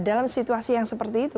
dalam situasi yang seperti itu